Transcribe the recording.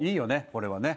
これはね。